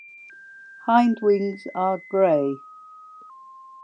Hindwings are grey.